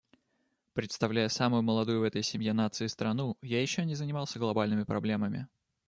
Представляя самую молодую в этой семье наций страну, я еще не занимался глобальными проблемами.